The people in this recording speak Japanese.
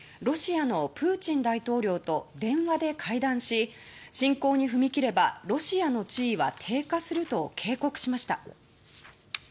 ロシアのプーチン大統領と電話で会談し侵攻に踏み切ればロシアの地位は低下すると警告しました。